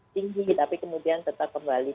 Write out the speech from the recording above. tinggi tapi kemudian tetap kembali